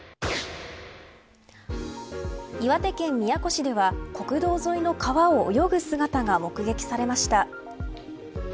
岩手県宮古市では国道沿いの川を泳ぐ姿が目撃されました。